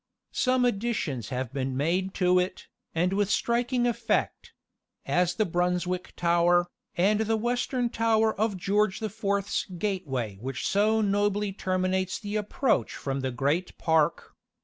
Some additions have been made to it, and with striking effect as the Brunswick Tower, and the western tower of George the Fourth's Gate way which so nobly terminates the approach from the great park.